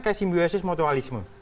kayak simbiosis mutualisme